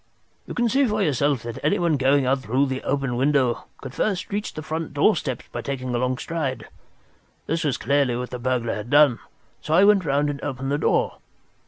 "You can see for yourself that anyone going out through that open window could reach the front doorstep by taking a long stride. This was clearly what the burglar had done, so I went round and opened the door.